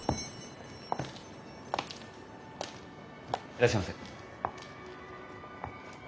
いらっしゃいませ。